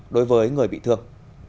đối với người bị thương